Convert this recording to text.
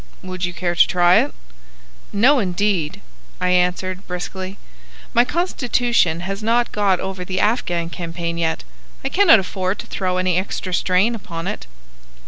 Would you care to try it?" "No, indeed," I answered, brusquely. "My constitution has not got over the Afghan campaign yet. I cannot afford to throw any extra strain upon it."